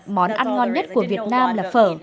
món ăn ngon nhất của việt nam là phở